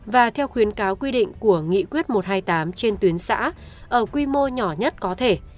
và theo khuyến cáo quy định của nghị quyết một trăm hai mươi tám trên tuyến xã ở quy mô nhỏ nhất có thể